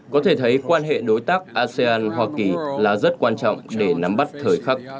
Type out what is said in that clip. có thể thấy quan hệ đối tác asean hoa kỳ là rất quan trọng để nắm bắt thời khắc